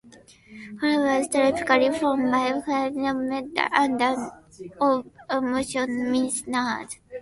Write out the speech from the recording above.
Halloysite typically forms by hydrothermal alteration of alumino-silicate minerals.